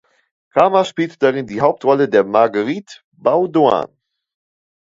Cramer spielte darin die Hauptrolle der Marguerite Baudoin.